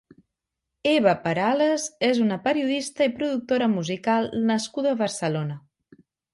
Eva Perales és una periodista i productora musical nascuda a Barcelona.